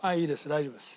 大丈夫です。